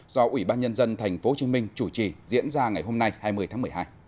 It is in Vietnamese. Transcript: do ủy ban nhân dân tp hcm chủ trì diễn ra ngày hôm nay hai mươi tháng một mươi hai